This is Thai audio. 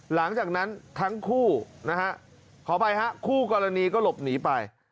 หลังจากนั้นทั้งคู่นะฮะขออภัยฮะคู่กรณีก็หลบหนีไป